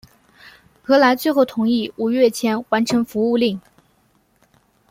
何来最后同意五月前完成服务令。